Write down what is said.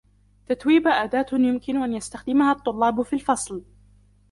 تتويبا أداة يمكن أن يستخدمها الطلاب في الفصل.